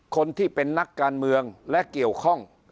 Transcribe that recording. คนที่เป็นนักการเมืองและเกี่ยวข้อง